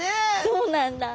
そうなんだ。